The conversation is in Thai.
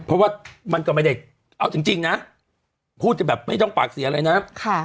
เพราะว่ามันก็ไม่ได้เอาจริงนะพูดจะแบบไม่ต้องปากเสียอะไรนะ